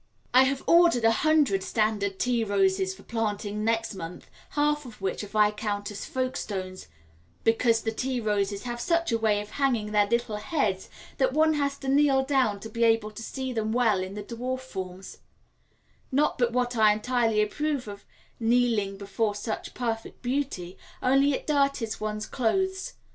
I have ordered a hundred standard tea roses for planting next month, half of which are Viscountess Folkestones, because the tea roses have such a way of hanging their little heads that one has to kneel down to be able to see them well in the dwarf forms not but what I entirely approve of kneeling before such perfect beauty, only it dirties one's clothes.